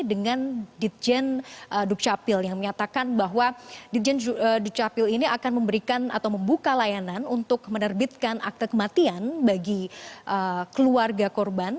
dengan ditjen dukcapil yang menyatakan bahwa dirjen dukcapil ini akan memberikan atau membuka layanan untuk menerbitkan akte kematian bagi keluarga korban